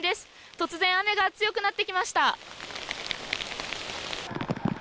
突然雨が強くなってきました。